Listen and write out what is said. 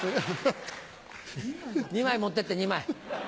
２枚持ってって２枚。